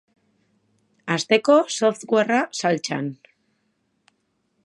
Hasteko, softwarea saltsan.